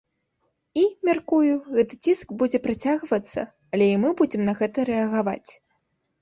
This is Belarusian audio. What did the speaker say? І, мяркую, гэты ціск будзе працягвацца, але і мы будзем на гэта рэагаваць.